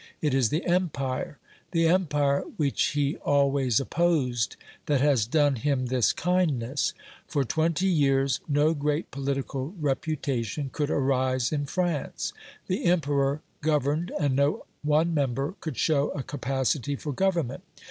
It is the Empire the Empire which he always opposed that has done him this kindness. For twenty years no great political reputation could arise in France. The Emperor governed and no one member could show a capacity for government.